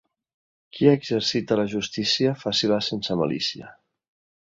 Qui exercita la justícia, faci-la sense malícia.